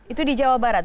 itu di jawa barat